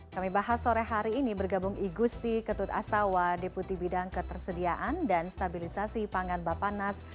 kami bahas sore hari ini bergabung i gusti ketut astawa deputi bidang ketersediaan dan stabilisasi pangan bapak nas